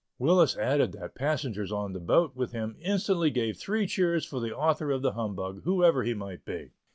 Willis added that passengers on the boat with him instantly gave three cheers for the author of the humbug, whoever he might be.